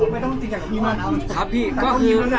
ไม่ต้องดีกว่ากับพี่มานาน